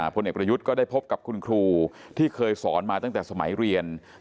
พลเอกประยุทธ์ก็ได้พบกับคุณครูที่เคยสอนมาตั้งแต่สมัยเรียน